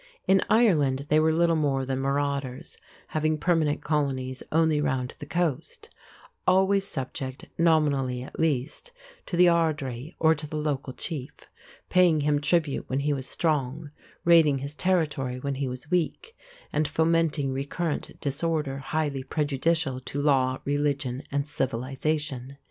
In Ireland they were little more than marauders, having permanent colonies only round the coast; always subject, nominally at least, to the ard ri or to the local chief; paying him tribute when he was strong, raiding his territory when he was weak, and fomenting recurrent disorder highly prejudicial to law, religion, and civilization.